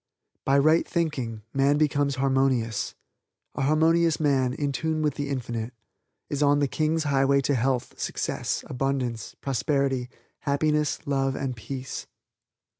By right thinking man becomes harmonious. A harmonious man in tune with the Infinite is on the King's highway to health, success, abundance, prosperity, happiness, love and peace.